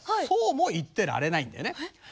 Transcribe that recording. そうも言ってられないんだよね。